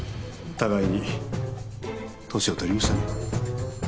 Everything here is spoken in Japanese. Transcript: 互いに年を取りましたね。